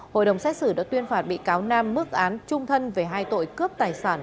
hội đồng xét xử đã tuyên phạt bị cáo nam mức án trung thân về hai tội cướp tài sản